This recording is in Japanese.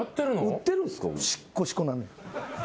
売ってるんすか？